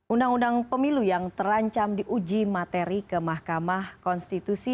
undang undang pemilu yang terancam diuji materi ke mahkamah konstitusi